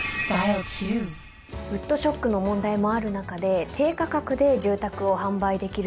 ウッドショックの問題もある中で低価格で住宅を販売できる理由は何でしょうか？